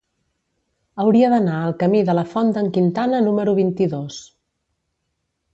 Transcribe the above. Hauria d'anar al camí de la Font d'en Quintana número vint-i-dos.